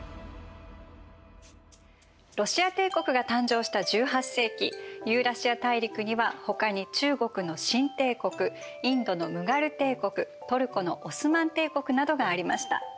ロシア帝国が誕生した１８世紀ユーラシア大陸にはほかに中国の清帝国インドのムガル帝国トルコのオスマン帝国などがありました。